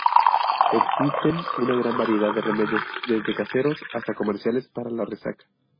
Existen una gran variedad de remedios desde caseros hasta comerciales para la resaca.